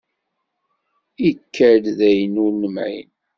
Ikad-d d ayen ur nemεin.